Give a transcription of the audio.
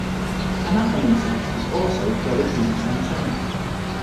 An atmometer is also fairly easy to maintain.